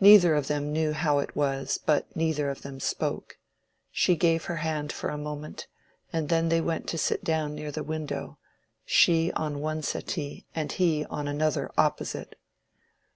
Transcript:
Neither of them knew how it was, but neither of them spoke. She gave her hand for a moment, and then they went to sit down near the window, she on one settee and he on another opposite.